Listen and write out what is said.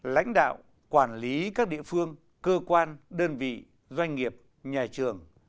lãnh đạo quản lý các địa phương cơ quan đơn vị doanh nghiệp nhà trường